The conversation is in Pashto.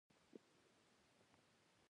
• ځینې خلک د شپې تنهايي خوښوي.